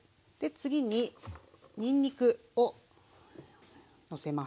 次ににんにくをのせます。